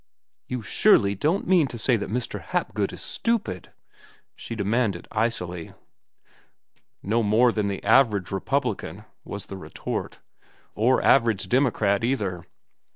"You surely don't mean to say that Mr. Hapgood is stupid?" she demanded icily. "No more than the average Republican," was the retort, "or average Democrat, either.